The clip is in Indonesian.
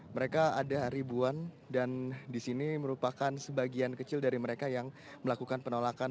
mereka ada ribuan dan di sini merupakan sebagian kecil dari mereka yang melakukan penolakan